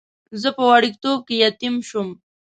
زه په وړکتوب کې یتیم شوم.